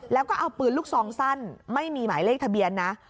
แล้วก็เอาปืนลูกซองสั้นไม่มีหมายเลขทะเบียนนะ